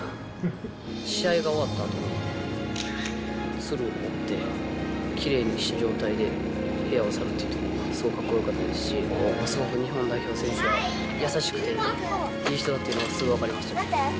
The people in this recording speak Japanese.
試合が終わったあとに、鶴を折って、きれいにした状態で部屋を去るというところが、すごいかっこよかったですし、すごく日本代表選手は優しくて、いい人だっていうのがすごい分かりました。